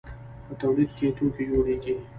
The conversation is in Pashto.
په تولید کې توکي جوړیږي.